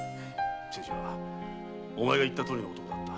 清次はお前が言ったとおりの男だった。